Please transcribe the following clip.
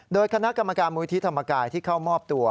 โดยคณะกรรมการมูลที่ธรรมกายที่เข้ามอบตัว